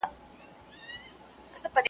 د باوړۍ اوبه مي هر ګړی وچېږي .